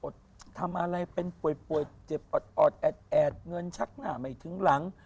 ทำอะไรเป็นป่วยเจ็บออดแอดเงินชักหน้าไม่ถึงหลัง